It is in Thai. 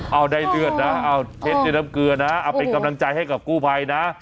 เอ้าได้เจือดนะเอาเทสในน้ำเกลือนะเป็นกำลังใจให้กับกู้ภัยนะ